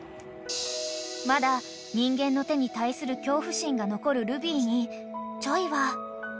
［まだ人間の手に対する恐怖心が残るルビーにｃｈｏｙ？は］